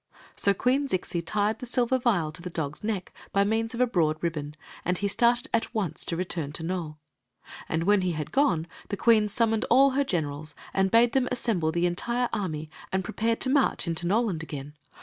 So Queen Zixi tied the Silver Vial to the dog's neck by means of a brpad ribbon, and he started at orce to return toi j^^bi' And when he had gone, die queen summoned all her generals and bade them assemble the entire army and prepare to march into Noland again.